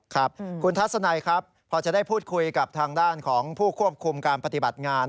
ครับคุณทัศนัยครับพอจะได้พูดคุยกับทางด้านของผู้ควบคุมการปฏิบัติงาน